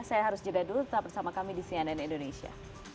saya harus jeda dulu tetap bersama kami di cnn indonesia